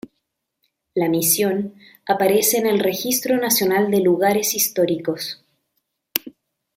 La misión aparece en el Registro Nacional de Lugares Históricos.